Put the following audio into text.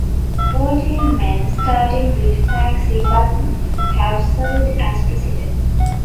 Fourteen men, starting with Frank C. Button, have served as president.